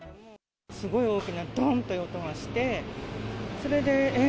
すごい大きな、どんという音がして、それで、えっ？